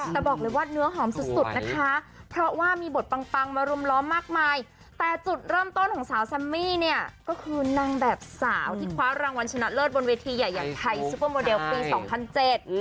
แต่บอกเลยว่าเนื้อหอมสุดสุดนะคะเพราะว่ามีบทปังปังมารุมล้อมมากมายแต่จุดเริ่มต้นของสาวแซมมี่เนี่ยก็คือนางแบบสาวที่คว้ารางวัลชนะเลิศบนเวทีใหญ่อย่างไทยซุปเปอร์โมเดลปีสองพันเจ็ด